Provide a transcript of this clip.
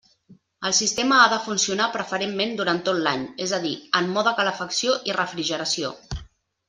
El sistema ha de funcionar preferentment durant tot l'any, és a dir, en mode calefacció i refrigeració.